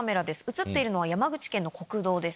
映っているのは山口県の国道です。